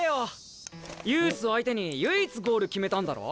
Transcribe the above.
ユースを相手に唯一ゴール決めたんだろ？